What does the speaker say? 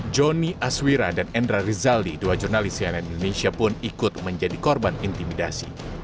joni aswira dan endra rizaldi dua jurnalis cnn indonesia pun ikut menjadi korban intimidasi